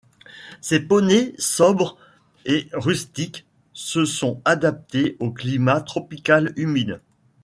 Ces poneys sobres et rustiques se sont adaptés au climat tropical humide.